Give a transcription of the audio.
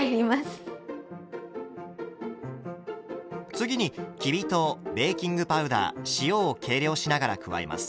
次にきび糖ベーキングパウダー塩を計量しながら加えます。